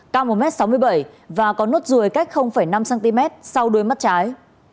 cao một m sáu mươi bảy và có nốt ruồi cách năm cm sau đuôi mắt trái